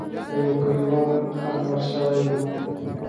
د یو کلیوال خر مړ شوی و.